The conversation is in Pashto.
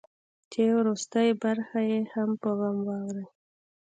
چې وروستۍ برخه یې په غم ور ولړي.